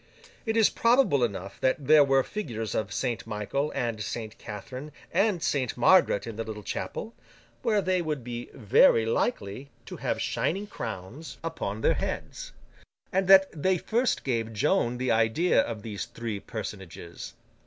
It is probable enough that there were figures of Saint Michael, and Saint Catherine, and Saint Margaret, in the little chapel (where they would be very likely to have shining crowns upon their heads), and that they first gave Joan the idea of those three personages.